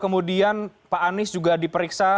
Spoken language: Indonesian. kemudian pak anies juga diperiksa